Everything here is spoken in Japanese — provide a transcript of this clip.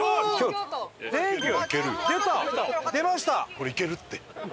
これいけるって！